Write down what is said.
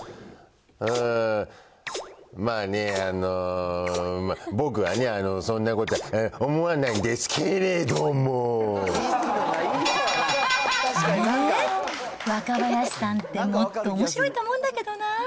ええ、まぁね、あのー、僕はね、あの、そんなことは思わないんであれー、若林さんって、もっとおもしろいと思うんだけどな。